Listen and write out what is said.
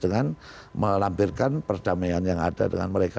dengan melampirkan perdamaian yang ada dengan mereka